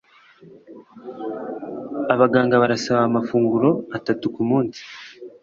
Abaganga barasaba amafunguro atatu kumunsi.